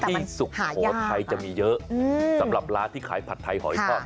สุโขทัยจะมีเยอะสำหรับร้านที่ขายผัดไทยหอยทอด